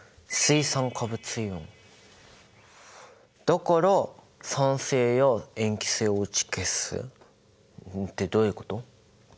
だから酸性や塩基性を打ち消す。ってどういうこと？